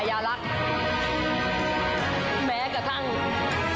ของท่านได้เสด็จเข้ามาอยู่ในความทรงจำของคน๖๗๐ล้านคนค่ะทุกท่าน